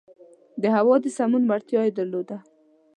د هوا د سمون وړتیا یې درلوده.